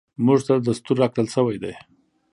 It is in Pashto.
موږ ته دستور راکړل شوی دی .